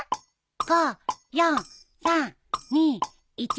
５４３２１。